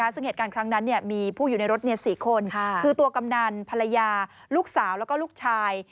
ซึ่งเหตุการณ์ครั้งนั้นมีผู้อยู่ในรถ๔คนคือตัวกำนันภรรยาลูกสาวแล้วก็ลูกชาย